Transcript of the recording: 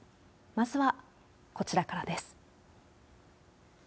まずは、こちらからです。